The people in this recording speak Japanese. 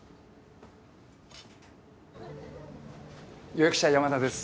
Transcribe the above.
予約した山田です。